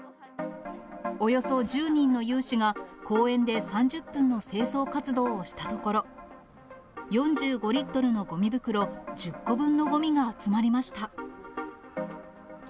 およそ１０人の有志が公園で３０分の清掃活動をしたところ、４５リットルのごみ袋１０個分のごみが集まりました。